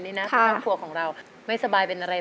แล้วก็โรคใด